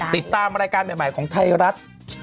ติดตามรายการใหม่ของไทยรัฐ